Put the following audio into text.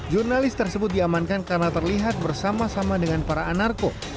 jurnalis tersebut diamankan karena terlihat bersama sama dengan para anarko